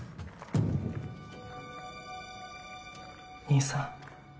兄さん